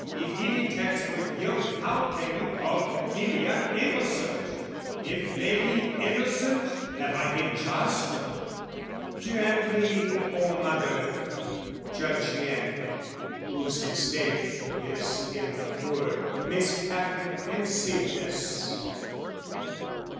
If he be taxed with guilt "How can you call Pompilia innocent? "If they be innocent, have I been just?" Gently, O mother, judge men! whose mistake Is in the poor misapprehensiveness.